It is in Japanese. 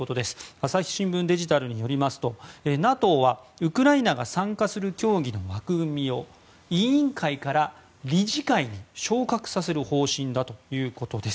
朝日新聞デジタルによりますとＮＡＴＯはウクライナが参加する協議の枠組みを委員会から理事会に昇格させる方針だということです。